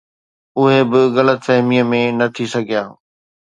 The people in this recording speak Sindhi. اهي به غلط فهميءَ ۾ نه ٿي سگهيا